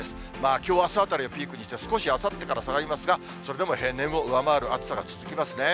きょう、あすあたりをピークにして、少しあさってから下がりますが、それでも平年を上回る暑さが続きますね。